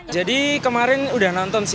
jadi kemarin udah nonton